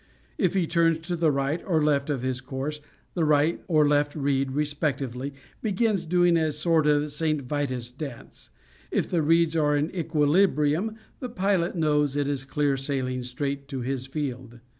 If he turns to the right or left of his course the right or left reed, respectively, begins doing a sort of St. Vitus dance. If the reeds are in equilibrium the pilot knows it is clear sailing straight to his field.